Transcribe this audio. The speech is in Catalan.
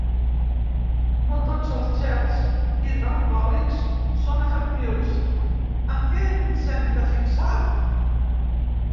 No tots els gels hidroalcohòlics són efectius: en què ens hem de fixar?